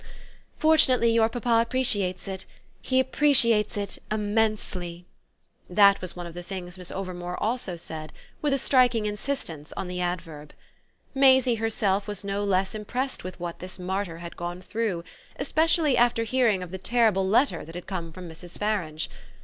"Fortunately your papa appreciates it; he appreciates it IMMENSELY" that was one of the things Miss Overmore also said, with a striking insistence on the adverb. Maisie herself was no less impressed with what this martyr had gone through, especially after hearing of the terrible letter that had come from Mrs. Farange.